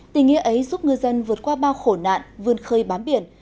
tình nghĩa ấy giúp ngư dân vượt qua bao khổ nạn vươn khơi bám biển